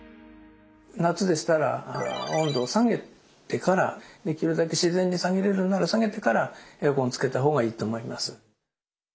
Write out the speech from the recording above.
夏でしたら温度を下げてからできるだけ自然に下げれるなら下げてからエアコンつけたほうがいいと思います。